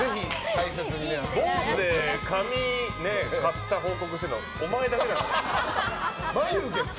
坊主で髪刈った報告してるのお前だけだから。